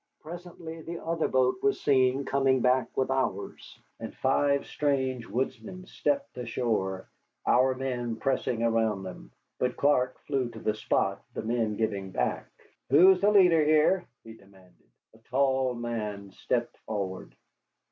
Presently the other boat was seen coming back with ours, and five strange woodsmen stepped ashore, our men pressing around them. But Clark flew to the spot, the men giving back. "Who's the leader here?" he demanded. A tall man stepped forward.